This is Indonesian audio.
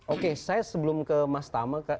oke saya sebelum ke mas tama